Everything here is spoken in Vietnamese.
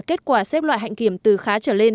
kết quả xếp loại hạnh kiểm từ khá trở lên